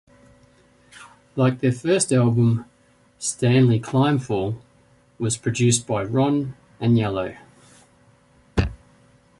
Like their first album, "Stanley Climbfall" was produced by Ron Aniello.